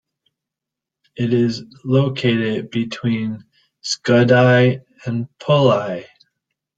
It is located between Skudai and Pulai.